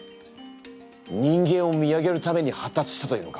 人間を見上げるために発達したというのか？